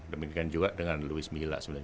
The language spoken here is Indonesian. demikian juga dengan louis mila sebenarnya